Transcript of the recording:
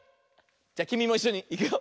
じゃきみもいっしょにいくよ。